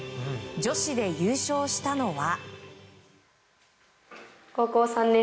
女子で優勝したのは。